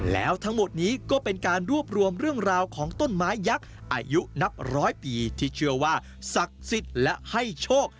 แล้วทั้งหมดนี้ก็เป็นการรวบรวมเรื่องราวของต้นไม้ยักษ์อายุนับร้อยปีที่เชื่อว่าศักดิ์สิทธิ์และให้โชค